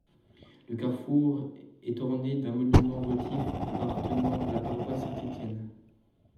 Le carrefour est orné d'un monument votif appartenant à la Paroisse Saint-Etienne.